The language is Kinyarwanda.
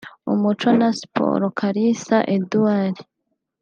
Umuco na Siporo Kalisa Edouard